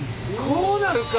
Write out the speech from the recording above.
こうなるか！